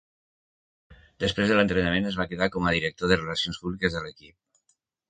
Després de l'entrenament, es va quedar com a director de relacions públiques de l'equip.